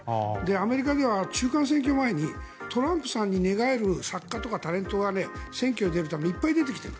アメリカでは中間選挙前にトランプさんに寝返る作家とかタレントが選挙に出るためにいっぱい出てきている。